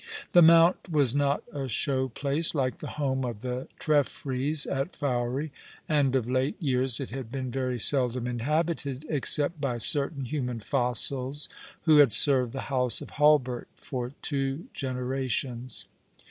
The Mount was not a show place, like the home of the Treffrys at Fowey, and of late years it had been very seldom inhabited, except by certain human fossils who had served the house of Hulbert for two generations.